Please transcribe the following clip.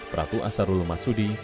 pratu asarul masudi